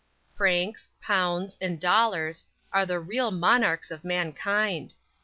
"Francs," "pounds" and "dollars" are the real monarchs of mankind!